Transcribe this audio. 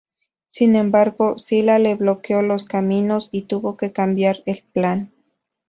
Sin embargo, Sila le bloqueó los caminos y tuvo que cambiar de plan.